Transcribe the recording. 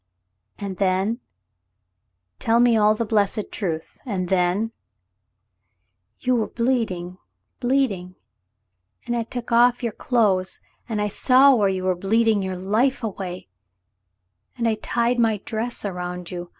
"And then — tell me all the blessed truth — and then—" "You were bleeding — bleeding — and I took off your clothes — and I saw where vou were bleeding vour life away, and I tied my dress around you.